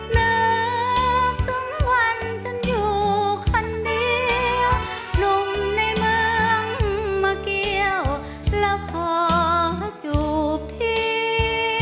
นับสองวันฉันอยู่คนเดียวหนุ่มในเมืองมาเกี่ยวแล้วขอจูบที